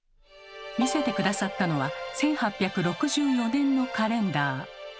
見せて下さったのは１８６４年のカレンダー。